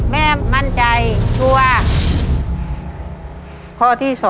แม่มั่นใจชัวร์